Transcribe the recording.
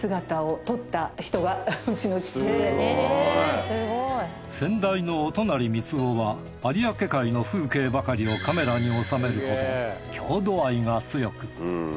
すごい！先代の音成三男は有明海の風景ばかりをカメラに収めるほど郷土愛が強く。